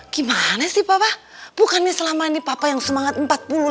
gimana sih papa bukannya selama ini papa yang semangat empat puluh